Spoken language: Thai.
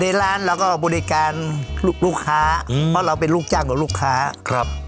ในร้านเราก็บริการลูกค้าอืมเพราะเราเป็นลูกจ้างกับลูกค้าครับ